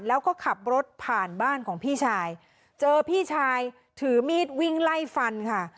แล้วก็ขับรถผ่านบ้านของพี่ชายเจอพี่ชายถือมีดวิ่งไล่ฟันค่ะ